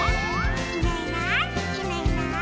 「いないいないいないいない」